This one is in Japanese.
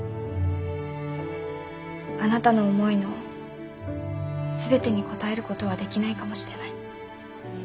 あなたの思いの全てに応えることはできないかもしれない。